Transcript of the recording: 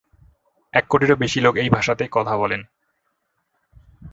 এক কোটিরও বেশি লোক এই ভাষাতে কথা বলেন।